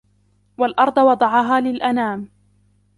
وَالأَرْضَ وَضَعَهَا لِلْأَنَامِ